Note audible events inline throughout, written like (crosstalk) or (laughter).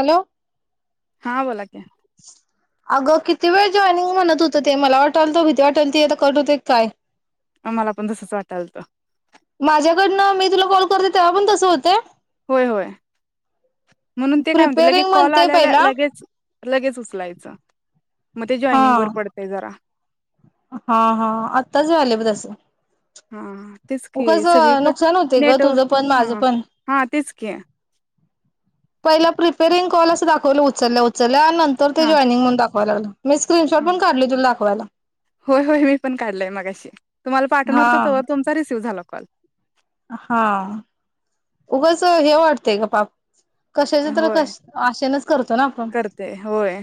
Hello हा बोला की अगं किती वेळ जॉईनिंग म्हणत होतं ते मला वाटाल तो भीती वाटालती आता कट होते काय? मला पण तसच वाटालत. माझ्याकडनं मी तुला कॉल करते तेव्हा पण तसं होते. होय होय म्हणून ते काय म्हणते लगे प्रिपेरिंग कॉल म्हणते आल्याला पहिला लगेच. लगेच उचलायचं. मग ते हा जॉईनिंग वर पडतय जरा, हा, हा आत्ताच झाले बघ तसं. हा. तेच की उगाच सगळीकड नुकसान होते ग नेट तुझं पण माझं हा पण हा तेच की पहिला प्रिपेरिंग कॉल अस दाखवलं उचलल्या उचल नंतर ते जॉइनिंग म्हणून दा ब ना (inaudible) मी स्क्रीनशॉट हा पण काढली तुला होला. होय होय मी पण काढलाय मगाशी, तुम्हाला हा पाठवणार हुतो तोवर तुमचा रिसीव्ह झाला. काल हा उगच हे वाटतंय गं पाप् कशाच तर होय कश् आशेनच करतो ना आपण करते होय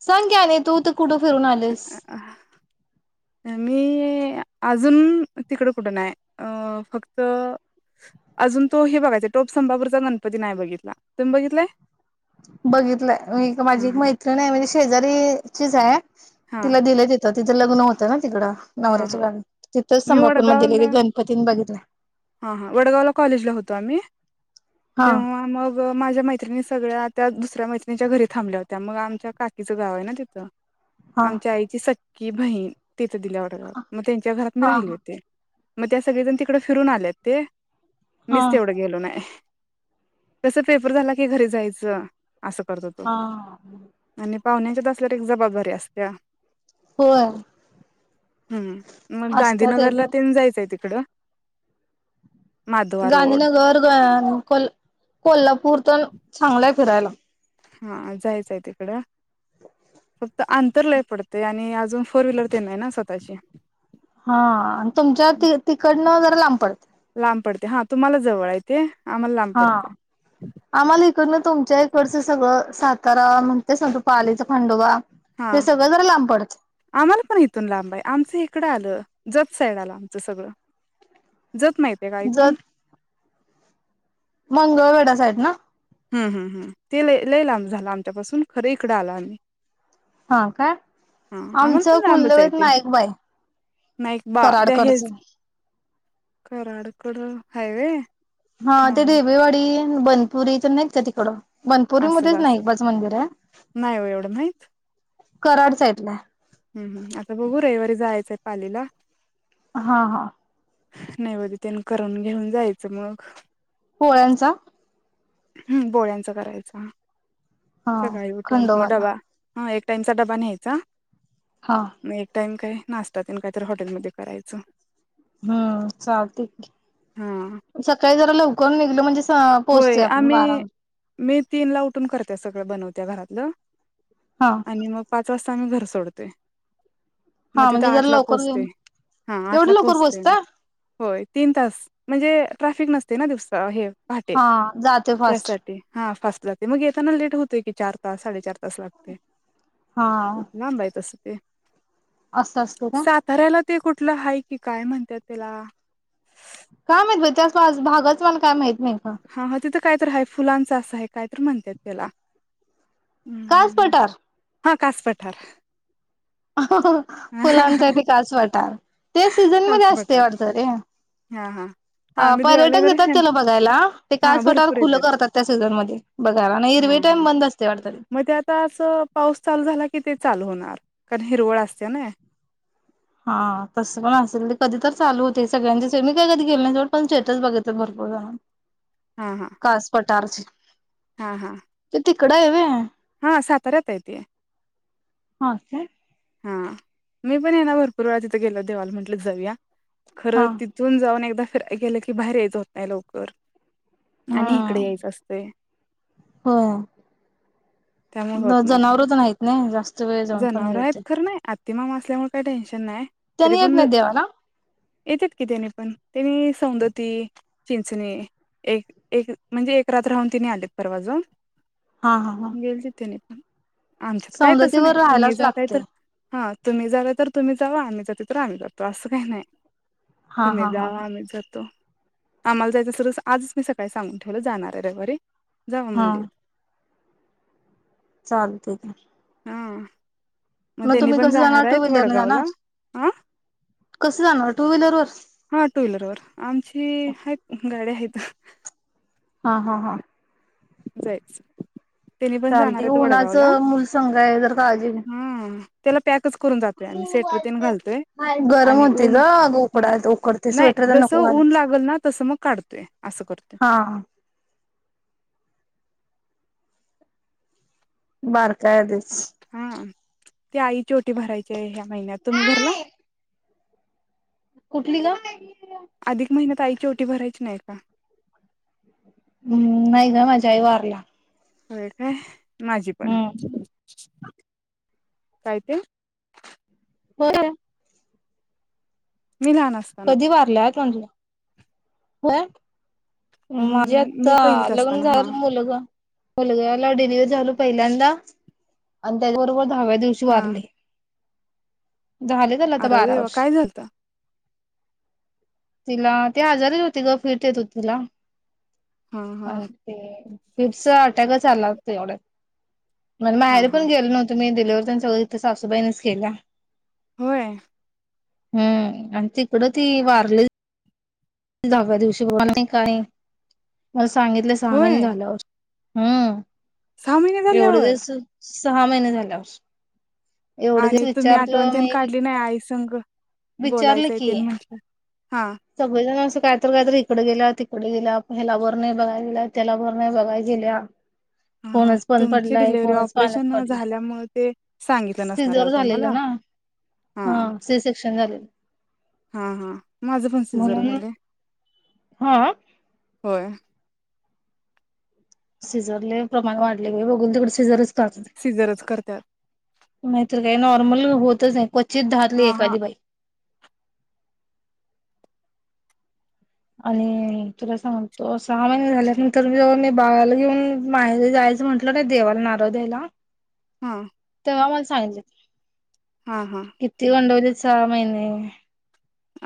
सांग की आणि तू, तू कुठं फिरून आलीस? आजून तिकड कुठं नाय, अ फक्त अजून तो हे बघायचाय, टोप संभापूरचा गणपती नाय बघितला, तुम्ही बघितलाय? बघितलाय अ इथ एक हा माझी हा मैत्रिण आय म्हणजे शे जरी चीच आय. हा तिला दिलय तीत तिच लग्न होतं ना तिकडं हा नवऱ्याच्या हा गावी तिथंच मी संभापूर मध्ये वडगावला (unintelligible) गणपती न बघितलाय. हा हा वडगावला कॉलेजला होतो आम्ही, हा तेव्हा मग माझ्या मैत्रिणी सगळ्या त्या दुसऱ्या मैत्रणीच्या घरी थांबल्या होत्या, मग आमच्या काकीचं गाव आय ना तिथं हा आमच्या आईची सक् की भही ती त दिल्या वडगावात, म तेंच्या घरात मी हा राहिले होते. म त्या सगळी जण तिकड फिरून आल्यात. ते हा मीच हा तेवढं गेलो नाई. कस पेपर झाला की घरी जायचं. असं करत ओतो हा आणि पाहुण्यांच्यात असल्यावर एक जबाबदारी असत्या. होय हम्म मग असतात येत गांधीनगरला तेन जायचाय तिक कडं गांधीनगर (unintelligible) कोल् कोल्हापूर तन चांगलाय फिरायला. हा जायचाय तिकडं त अंतर लय पडतय आणि अजून फोर व्हीलर ते नाई ना स्वतःची हा तुमच्या ती तिकडनं (unintelligible) लांब पडत लाम पडते, हा तुम्हाला जवळ आय ते आम्हाला लांब हा पडते आमाला इकडन तुम च्या इकडचं सगळं सातारा म्हण ते सांगतो, पालीचा खंडोबा हा, ते सगळं जरा लांब पडत आम्हाला पण हिथून लांब आय, आमचं हिकडं आलं जत साईड आला. त सगळं जत माहिती आहेे का ऐकून जत मंगळवेढा साहेड ना. हम् हम हम ते ल लईला झाला आमच्यापासून खरं इकडं आला आम्ही हा काय हा आम्हाला पण आमचं लांबचय कुलदैवत ते नाईकबाई नाहीक बा ते हेच कराडकडचं कराडकड हायवे. हा ते रडेवेवाडी आहे. बनपुरी तर नाहीत का तिकडं. असेल वनपुरीमध्येध्येच असेल नाईकबाच मंदिर आहे. नाही हो एवढं माहित कराड साइडला हम् हम् आता बघू रविवारी जायचंय पालीला हा हा. नाही बदितन करून घेऊन जायचं मग पोळ्यांचा. हम् बोळ्यांचा करायचा. हा सकाळी उठून मग खंडोवाला डबा हा एक टाइमचा डबा न्यायचा हा म एक टाइम काय. नाश्तातन काहीत हॉटेलमध्ये करायचं. हम्म हा चालतेठी सकाळी जराला उक नाही. म्हजे पोहोचतोय होय आपण आम्ही वाराार. मी तीन ला उठून करते सगळं बनवत्या घरातलं. हा आणि मग पाच वाजता घर सोडते. मग हा तिथं म्हणजे जरा आठला लवकर पोहोचते गेलं. हा एवढं आठला लवकर पोहोचते पोहोचता होय तीन तास म्हणजे ट्राफिक नसते. ते ना दिवसा आहे. पाटेल हा जाते फास्ट त्यासाठी हा फस्ट. लागते मग येताना लेट होतोय की चार तास साडेचार तास लागते. हा ना बाई तस (unintelligible) असं असस्त का. ते कुठलं आहे कि काय म्हणतात त्याला काय माहित त्या भागच मला काय माह हा ह तिथं काय तर आहे फुलांच असं आहे. काय तर म्हणतेात त्याला काच हम्म पटार हा कास पठार फुलांचा ते काच वाटार ते सीझन मध्ये कास असते पठार वटत रे हा हा हा मी देवाला पर्यटक वगैरे देतात आहे ना त्याला बघायला हा काच पटावर भरपूर खु येतात करतात त्या सी म बघायला आणि हा हरवे हा टाम बंद असते वा मग ते आता असं काण हिरवळ असते ना हा तसं पण असेल ते कधी तर चालू होते सगळ्यांच्या स मी काही कधी गेलण्याे पण स्टेटस बघित भरपूर जाण हा हा कास पटारच हा हा कडे आहे हा साताऱ्यात येत हा काय हा मी पण ये ना भरपूर वेळा तिथे गेलो देवाला म्हटलं जाऊया खरं हा तिथून जाऊन एकदा गेलं की बाहेर यायच होत नाही लवकर आणि इकडे यायचं असतंय हो त्यामुळे होत नाही जनावरच आहेत नाही जास्त वेळ जाऊन पण जनावर हे आहेत होते खरं नाही आ तिमा मासल्यामुळे का टनशन नाही तरी त्यांनी येत पण नाही देवाला येतात कितीने पण तने सौंदती चिंचणी एक एक म्हणजे एक रात राहून तिने आलेत परवाज हा हा हा गल्तीितेने आमच्यात काय वर राहायलाच जाताय लागते तर हा तुम्ही जालं तर तुम्ही जाव आम्ही जाते तर आम्ही जातो असं काही नाही त हा हा हा ह जावा आम जतो आम्हाला जायचं सर आजच मी सकाळी सांगून ठेवलं जाणार आहे रेवर जावा हा मंदिर चालते का आहे हा मग त्यांनी तुम्ही पण कसं जाणार टू आहेत व्हीलरने जाणार वडगावला हा कस जाणार टू व्हीलर वर हा टू व्हीलर व आमची गयत हा हा हा जायच चालते उन्हाचं मूल संघ आहे ज काळजी घे हा त्याला पॅकच करून जातोय आ स्वेटर तेज घालतोय गरम आणि होते उन ग उकडा उकडते नाही स्वेटर तर जस नको घालू उन लागल ना तस मग काढतोय अस करतोय हा बार काय आधीच हा ते आईची ओटी भरायची हाय ह्या महिन्यात तुम्ही भरला कुठली ग अधिक महिन्यात आईची ओटी भरायची नाही का हम्म नाही ग माझी आई वारल्या होय काय माझी पण हम्म काय ते होय मी लहान असताना कधी वारल्यात म्हणलं होय माझे हम्म आता मी पहिलीत लग्न असताना हा झालं मुलं ग मुलग्याला डिलिव्हरी झालो पहिल्यांदा आणि त्याचबरोबर दहाव्या दिवशी हा वारली झाले त्याला आता अरे बारा देवा वर्ष काय झालत तिला ते आजारच होती ग फिट येत हो तिला हा अ हा ते फिट्च अटॅक चालला तेवढ्यात म हा माहेरी हा पण गेलो नव्हतो मी डीलीवर सगळं इथं सासुबाईन च केल्या होय हम्म आणि तिकडं ती वारली दहाव्या दिवशी ब नाही काय (unintelligible) सांगितलं सहामहीने होय झाल्यावर हम्म सहा महिने झाल्यावर सहामहिने झाल्यावरच आणि तुम्ही आठवणतेन काढली नाही आई संग विचारलं बोलायचाय की तेन म्हंटल सगळेजण असं कायतर कायतर इकडे गेल्या, तिकडे गेल्या. ह्याला बर नाही बघाय गेल्या, त्याला बर नाही बघाय गेल्या. हा हा फोनच बंद तुमची पडलाय डिलेव्हारी फोनच पाण्यात ऑपरेशन पडलाय झाल्यामुळे ते सांगितलं नसणार हाय ओ सिजर तुम्हाला. झालेलं ना हा सी सेक्शन झालेलं हा हा म माझ पण सिजर म्हणून झालय, हा होय. सिझर लई प्रमाण वाढले गं बाई बघिल तिकडं सिझरच (unintelligible) सिजरच करत्यात नाही तर काय नॉर्म नॉर्मल होतच नाही. क्वचि चित दहातली हा हा एखादी बाई. आणि तुला सांगतो सहा महिने झाल्यानंतर जाऊन बाळाला घेऊन माहेर जायचं म्हटलं ना देवाला नारळ द्यायला हा. तेव्हा मला सांगितल ती. हा हा किती गडवंलीत सहा महिने.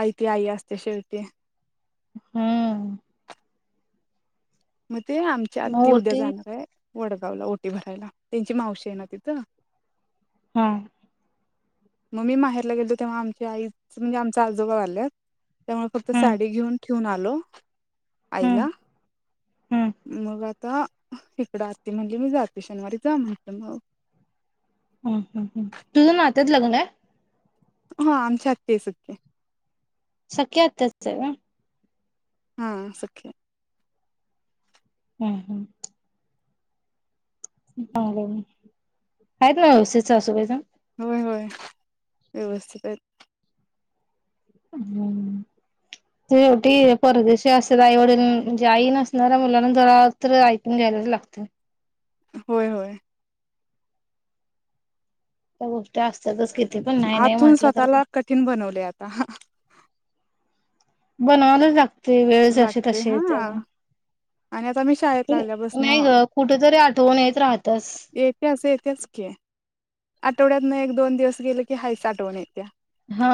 आई ती आई असते शेवटी. हम्म. मग ते आमच्या आत्ती उद्या मोठी जाणार आहे. वडगावला ओटी भरायला. त्यांची मावशी आहे ना तिथं. हम्म. मग मी माहेरला गेलोतो तेव्हा आमच्या आईच म्हणजे आमचं आजोबा वारल्यात. त्यामुळे फक्त हम्म साडी घेऊन ठेऊन आलो हम्म आईला. हम्म मग आता इकडं आत्ति म्हणली मी जाते शनिवारी जा म्हटलं मग. हम्म हम्म हम्म. तूझं नात्यात लग्न आहे? हा आमची आत्ती हाय सख्खी. सख्या आत्ताचं हाय व्हय. हा सख्या. हम्म हम्म. चांगलं हाय मग. आहेत ना व्यवस्थित सासूबाई तेणं? व्हय व्हय व्यवस्थित हायत. हम्म शेवटी परदेशी असेल आईवडील म्हणजे आई नसणाऱ्या मुलांना जरा तर ऐकून घ्यायलाच लागतंय. होय होय. त्या गोष्टी असतातच किती पण नाही नाही आतून म्हटलं तर पण स्वतःला कठीण बनवलयं आता. बनवायलाच लाग ती वेळचं अशी लागते तशी हा येती या आणि आता मी शाळेत बघं. लागल्यापासन नाही गं कुठं तरी आठवन येत राहतीयाचं. आठवड्यातनं एक दोन दिवस गेलं की हायचं आठवण येतीया. हा.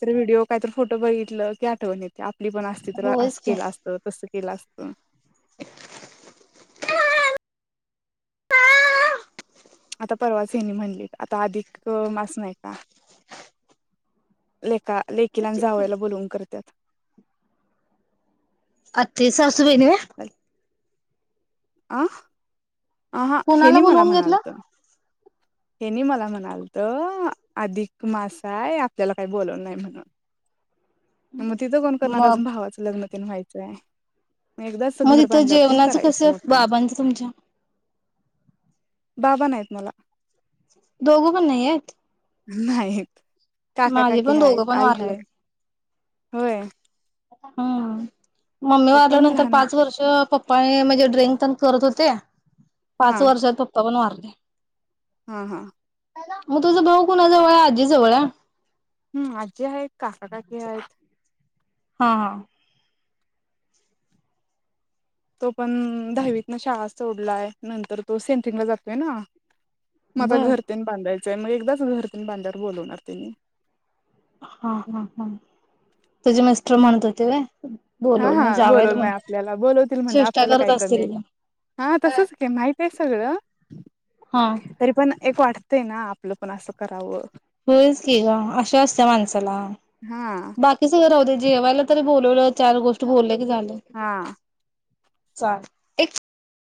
काय तर व्हिडिओ काही तर फोटो बघितल की आठवण येते. आपली पण चित्रं होयच असं की केलं असतं, तसं केलं असतं. (unintelligible) आता परवाच हेणी म्हंणलीत. आता अधिक मास नाही का? लेका लेकिला आणि जावयाला बोलवून करत्यात आती सासूबाई नव्हे अं आहा कोणाला हयनी मला बोलवून घेतलं म्हणालत. हेनी मला म्हणालत अधिक मास हाय आपल्याला काही बोलवल न्हाय म्हणून. मग तिथं कोण करणार. मग अजून भावाचं लग्न तेन व्हायचंय. एकदाच मग घर तिथं बांधल्यावर तेन जेवणाचं करायचं कसं मोठ्यानं बाबांच तुमच्या. बाबा नायत मला. दोघ पण नाही आहेत? नाहीत. काका माझे काकी पण दोघं हायत पण आई हाय वारल्यात. होय. हम. मम्मी पप्पा मी वाारल्यानंतर लहान पाच वर्ष पप् पण म्हणजे ड्रिंक पण करत होते. हा पाच वर्षात पप्पा पण वारलीत. (unintelligible) हा हा. मग तुझा भाऊ कुणा जवळ हाय आजीजवळ हाय. हम्म आजी आहेत काकाकाकी आहेत. हा हा तो पण दहावीत ना शाळा सोडलाय नंतर तो सेंट्रिंगला जातोय ना मग आता बर घरतेन बांधाय च मग एकदाच घरातून बांधल्यावर बोलवणार त्यांनी. हा हा हा तुझे मिस्टर म्हणत होते वहय. हा हा बोलवळ नाही. आपल्याला बोलवतील म्हणल चेष्टा आपल्याला करत काय कमी असतील ग हाय. हा तसच माहती आहे सगळं हा तरी पण एक वाटत ते ना आपलं पण असं करावं. होयच की ग आशा असत्या माणसाला. हा बाकी सगळं राहूदे जेवायला तरी बोलवलं. चार गोष्ट बोलल्या झालं. हा चाल (inaudible)